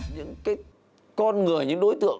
những cái con người những đối tượng